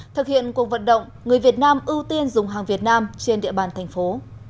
thực hiện cuộc vận động người việt nam ưu tiên dùng hàng việt nam trên địa bàn thành phố